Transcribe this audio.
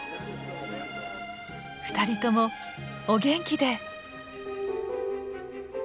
２人ともお元気で！